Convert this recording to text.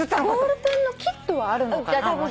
ボールペンのキットはあるのかな？